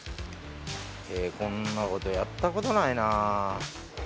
へぇこんなことやったことないな。